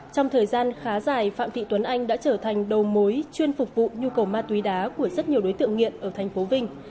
trong thời gian khá dài phạm thị tuấn anh đã trở thành đầu mối chuyên phục vụ nhu cầu ma túy đá của rất nhiều đối tượng nghiện ở thành phố vinh